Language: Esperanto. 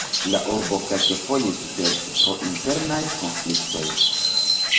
La urbo kelkfoje suferis pro internaj konfliktoj.